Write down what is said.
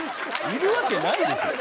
いるわけないでしょ。